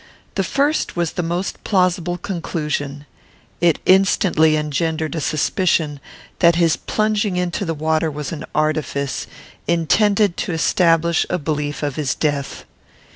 The first was the most plausible conclusion. It instantly engendered a suspicion, that his plunging into the water was an artifice, intended to establish a belief of his death.